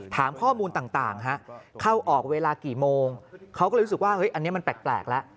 ถามข้อมูลต่างเข้าออกเวลากี่โมงเขาก็เลยรู้สึกว่าอันนี้มันแปลกแล้ว